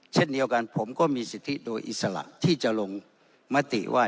เช่นเดียวกันผมก็มีสิทธิโดยอิสระที่จะลงมติว่า